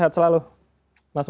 selamat malam mas bram